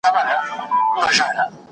ټوله ژوي یو د بل په ځان بلا وه .